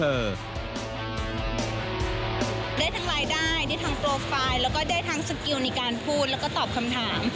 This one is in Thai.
ได้ทั้งรายได้ได้ทั้งโปรไฟล์แล้วก็ได้ทั้งสกิลในการพูดแล้วก็ตอบคำถาม